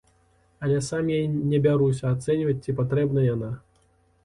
Але сам я не бяруся ацэньваць, ці патрэбная яна.